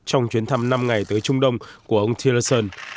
trong chuyến thăm năm ngày tới trung đông của ông thilson